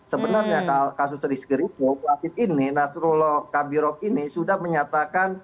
sebenarnya kasus rizky ridho wasit ini nasrullah kabirov ini sudah menyatakan